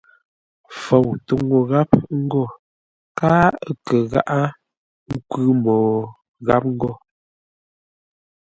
Fou túŋu gháp ńgó káa a kə gháʼá ńkwʉ́ mô gháp ghó.